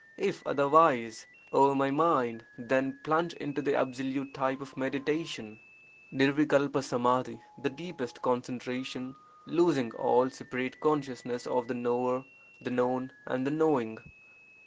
If otherwise, O my mind, then plunge into the absolute type of meditation. [PlfqcbcH ■HHlfsT — the deepest concentration losing all sepa rate consciousness of the knower, the known, and the knowing.